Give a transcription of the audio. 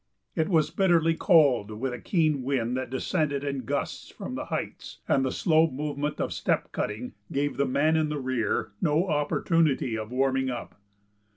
It was bitterly cold, with a keen wind that descended in gusts from the heights, and the slow movement of step cutting gave the man in the rear no opportunity of warming up.